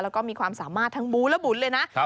แล้วก็มีความสามารถทั้งบู้และบุ๋นเลยนะ